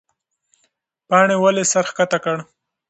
پاڼې ولې سر ښکته کړ؟